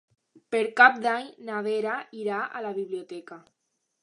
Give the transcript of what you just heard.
Per Cap d'Any na Vera irà a la biblioteca.